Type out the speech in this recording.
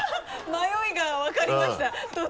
迷いが分かりました途中で。